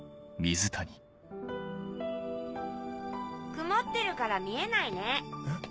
・曇ってるから見えないね・え？